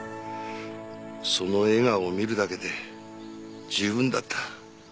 その笑顔を見るだけで十分だった。